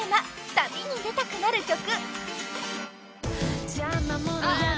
「旅に出たくなる曲」］